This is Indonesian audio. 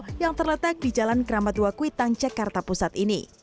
ketika saya mencari makanan makanan yang terkenal di jalan keramatua kuitang cekarta pusat ini